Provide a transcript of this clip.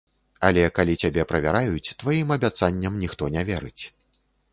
Але калі цябе правяраюць, тваім абяцанням ніхто не верыць.